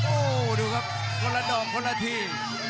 โอ้โหดูครับคนละดอกคนละที